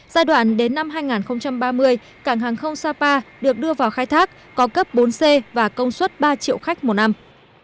giai đoạn đến năm hai nghìn ba mươi cảng hàng không sapa được đưa vào khai thác có cấp bốn c và công suất ba triệu khách một năm